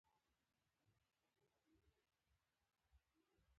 په یوه شنه پاڼه کې دې د الله د قدرت نښې وګوري.